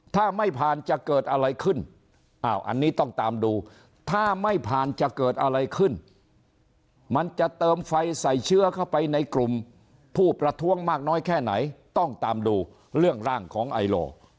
ถ้าไม่ผ่านจะเกิดอะไรขึ้นอันนี้ต้องตามดูถ้าไม่ผ่านจะเกิดอะไรขึ้นมันจะเติมไฟใส่เชื้อเข้าไปในกลุ่มผู้ประท้วงมากน้อยแค่ไหนต้องตามดูเรื่องร่างของไอโล